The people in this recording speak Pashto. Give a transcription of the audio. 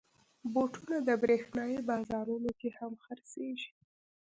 بوټونه د برېښنايي بازارونو کې هم خرڅېږي.